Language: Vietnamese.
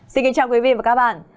xin kính chào quý vị và các bạn